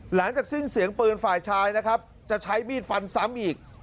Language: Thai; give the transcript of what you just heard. หลังจากสิ้นเสียงปืนฝ่ายชายนะครับจะใช้มีดฟันซ้ำอีก